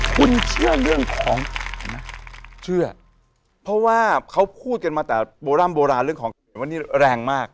คุณเชื่อเรื่องของนะเชื่อเพราะว่าเขาพูดกันมาแต่โบร่ำโบราณเรื่องของวันนี้แรงมาก